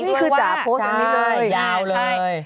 นี่คือจ๋าโพสต์อย่างนี้เลยยาวเลย